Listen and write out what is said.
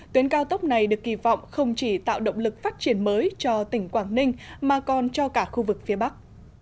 tuyến cao tốc này được kỳ vọng không chỉ tạo động lực phát triển mới cho tỉnh quảng ninh mà còn cho cả khu vực phía bắc